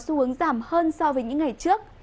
xu hướng giảm hơn so với những ngày trước